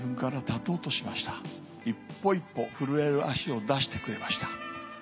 一歩一歩震える足を出してくれました。